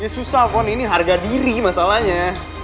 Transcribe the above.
susah kok ini harga diri masalahnya